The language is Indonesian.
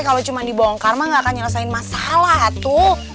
kalau cuma dibongkar mah gak akan nyelesain masalah tuh